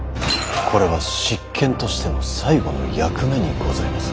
これは執権としての最後の役目にございます。